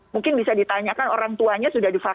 mungkin bisa ditanyakan orang tuanya sudah divaksin